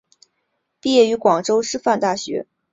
毕业于广州师范大学。